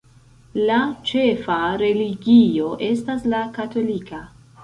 La ĉefa religio estas la katolika.